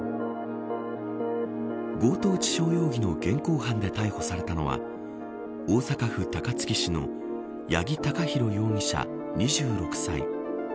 強盗致傷容疑の現行犯で逮捕されたのは大阪府高槻市の八木貴寛容疑者、２６歳。